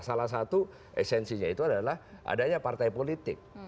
nah itu esensinya adalah adanya partai politik